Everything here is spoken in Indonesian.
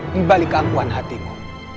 di balik keangkuhan hatimu